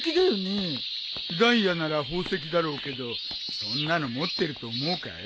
ダイヤなら宝石だろうけどそんなの持ってると思うかい？